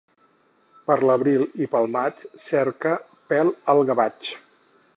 Per l'abril i pel maig cerca pèl el gavatx.